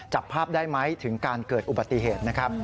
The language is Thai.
จับภาพได้ไหมถึงการเกิดอุบัติเหตุนะครับ